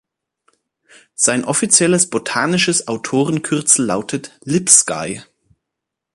Sein offizielles botanisches Autorenkürzel lautet „Lipsky“.